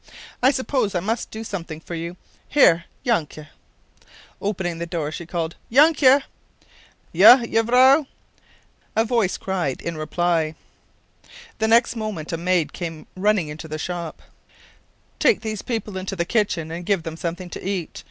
I suppose I must do something for you. Here Yanke!” opening the door and calling, “Yanke!” “_Je, jevrouw_,” a voice cried, in reply. The next moment a maid came running into the shop. “Take these people into the kitchen and give them something to eat.